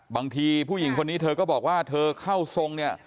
บางทีผู้หญิงคนนี้เธอก็บอกว่าเธอเข้าทรงเนี่ย